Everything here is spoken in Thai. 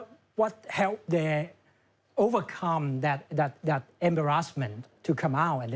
สงบงานมีหลากมามากมีคนที่คิดว่าพวกนั้นกลับมาคุมแน่